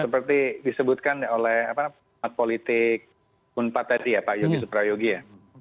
seperti disebutkan oleh politik unpateti ya pak yogi suprayogi ya